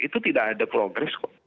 itu tidak ada progres kok